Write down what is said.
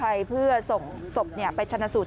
ให้กับกู้ภัยเพื่อส่งศพไปชนะสูตร